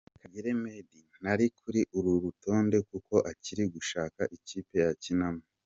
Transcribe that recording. Kagere Meddie ntari kuri uru rutonde kuko akiri gushaka ikipe yakinamo.